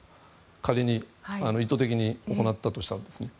仮に、意図的に行ったとしたらですね。